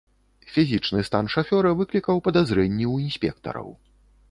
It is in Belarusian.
Фізічны стан шафёра выклікаў падазрэнні ў інспектараў.